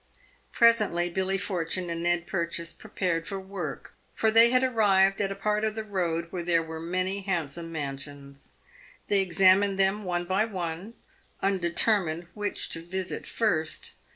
Presently Billy Fortune and Ned Purchase prepared for work, for they had arrived at a part of the road where there were many hand some mansions. They examined them one by one, undetermined which to visit first.